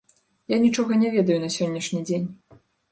Я нічога не ведаю на сённяшні дзень.